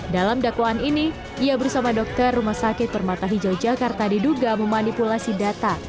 dalam dakwaan ini ia bersama dokter rumah sakit permata hijau jakarta diduga memanipulasi data